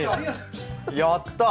やった！